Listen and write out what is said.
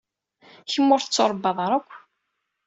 Kem ur tettuṛebbaḍ ara akk.